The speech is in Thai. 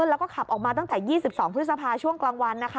แล้วก็ขับออกมาตั้งแต่๒๒พฤษภาช่วงกลางวันนะคะ